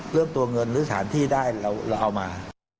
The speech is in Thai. เรื่องตัวเงินหรือสถานที่ได้เราเอามา